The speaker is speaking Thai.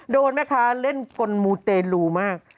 โดนแม่ค้าเล่นกลมูเตรลูมาก